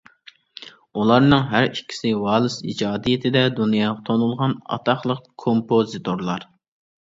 ئۇلارنىڭ ھەر ئىككىسى ۋالىس ئىجادىيىتىدە دۇنياغا تونۇلغان ئاتاقلىق كومپوزىتورلار.